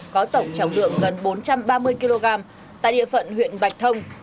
có tổng trọng lượng gần bốn trăm ba mươi kg tại địa phận huyện bạch thông